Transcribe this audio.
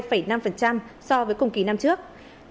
giảm hai mươi hai năm so với cùng kỳ năm trước